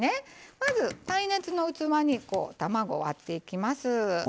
まず耐熱の器に卵を割っていきます。